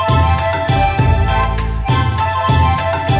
โชว์สี่ภาคจากอัลคาซ่าครับ